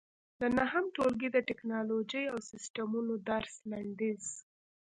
د نهم ټولګي د ټېکنالوجۍ او سیسټمونو درس لنډیز